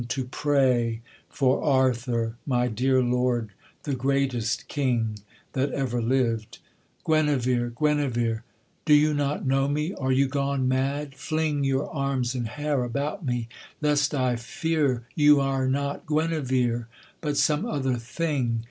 to pray For Arthur, my dear Lord, the greatest king That ever lived.' 'Guenevere! Guenevere! Do you not know me, are you gone mad? fling Your arms and hair about me, lest I fear You are not Guenevere, but some other thing.'